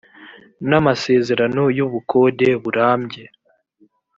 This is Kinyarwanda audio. n amasezerano y ubukode burambye